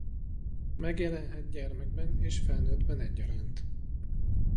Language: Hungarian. Megjelenhet gyermekben és felnőttben egyaránt.